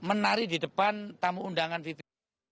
menari di depan tamu undangan fitri